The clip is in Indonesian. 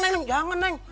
neng jangan neng